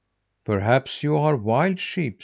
"Perhaps you are wild sheep?"